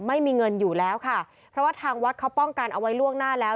ไม่มีเงินอยู่แล้วค่ะเพราะว่าทางวัดเขาป้องกันเอาไว้ล่วงหน้าแล้ว